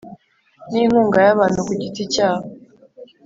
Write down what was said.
n inkunga y abantu ku giti cyabo